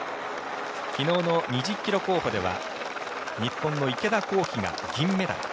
昨日の２０ｋｍ競歩では日本の池田向希が銀メダル。